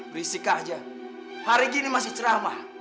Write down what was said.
berisik aja hari ini masih cerah ma